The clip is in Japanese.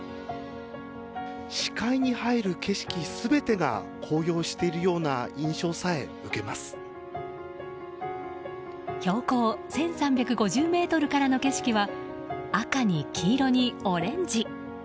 視界に入る景色全てが紅葉しているような印象さえ標高１３５０ｍからの景色は赤に黄色にオレンジ。